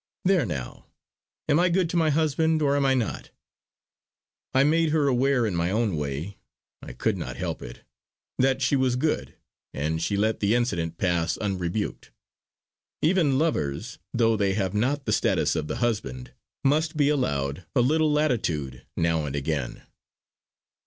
There now! Am I good to my husband, or am I not?" I made her aware in my own way I could not help it that she was good! and she let the incident pass unrebuked. Even lovers, though they have not the status of the husband, must be allowed a little latitude now and again.